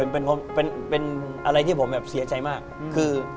เป็นอะไรที่ผมเสียใจมาก